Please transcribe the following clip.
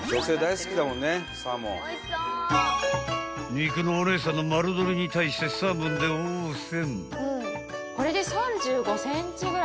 ［肉のお姉さんの丸鶏に対してサーモンで応戦］